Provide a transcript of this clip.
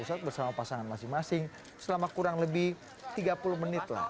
di pusat bersama pasangan masing masing selama kurang lebih tiga puluh menitlah